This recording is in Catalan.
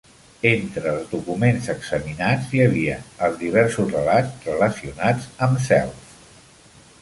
Entre els documents examinats hi havia els diversos relats relacionats amb Zelph.